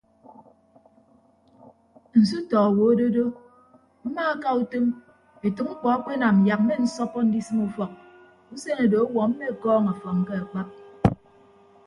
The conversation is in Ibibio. Nsutọ owo adodo mmaaka utom etәk mkpọ akpe anam yak mmensọppọ ndisịm ufọk usen odo ọwuọ mmekọọñ ọfọñ ke akpap.